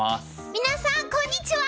皆さんこんにちは！